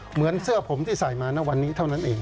เหมือนเสื้อผมที่ใส่มาณวันนี้เท่านั้นเอง